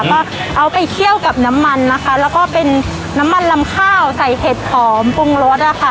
ก็เอาไปเคี่ยวกับน้ำมันนะคะแล้วก็เป็นน้ำมันลำข้าวใส่เห็ดหอมปรุงรสอ่ะค่ะ